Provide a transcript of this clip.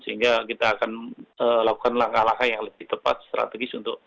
sehingga kita akan lakukan langkah langkah yang lebih tepat strategis untuk